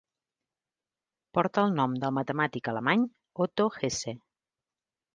Porta el nom del matemàtic alemany Otto Hesse.